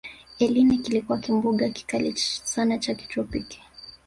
eline kilikuwa kimbunga kikali sana cha kitropiki